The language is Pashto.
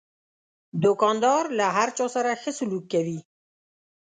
دوکاندار له هر چا سره ښه سلوک کوي.